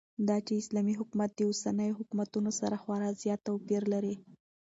داچې اسلامي حكومت داوسنيو حكومتونو سره خورا زيات توپير لري